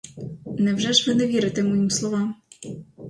Невже ж ви не вірите моїм словам?